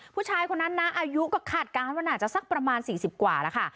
ผู้ชายคนนั้นนะอายุก็คาดการณ์ว่าน่าจะสักประมาณ๔๐กว่าแล้วค่ะ